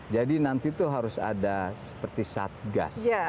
jadi nanti itu harus ada seperti satgas